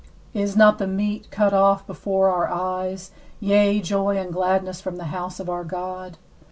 16Is not the meat cut off before our eyes, yea, joy and gladness from the house of our God?